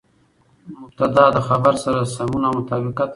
مبتداء له خبر سره سمون او مطابقت لري.